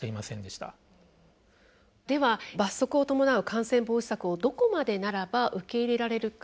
では罰則を伴う感染防止策をどこまでならば受け入れられるか。